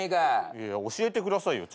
いや教えてくださいよ